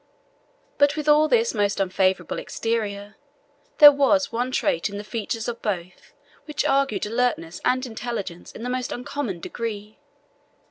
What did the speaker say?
But with all this most unfavourable exterior, there was one trait in the features of both which argued alertness and intelligence in the most uncommon degree.